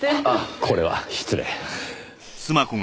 これは失礼。